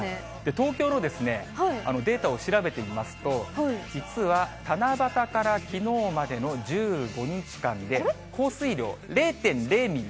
東京のデータを調べてみますと、実は七夕からきのうまでの１５日間で、降水量０．０ミリ。